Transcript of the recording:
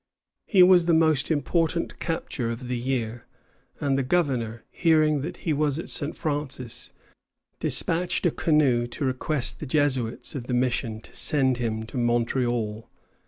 He was the most important capture of the year; and the governor, hearing that he was at St. Francis, despatched a canoe to request the Jesuits of the mission to send him to Montreal.